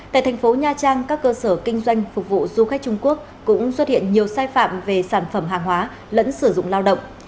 tại thành phố nha trang các cơ sở kinh doanh phục vụ du khách trung quốc cũng xuất hiện nhiều sai phạm về sản phẩm hàng hóa lẫn sử dụng lao động